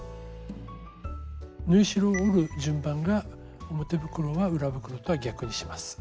縫い代を折る順番が表袋は裏袋とは逆にします。